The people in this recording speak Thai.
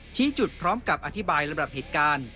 ชี้จุดพร้อมกับอธิบายลำดับเหตุการณ์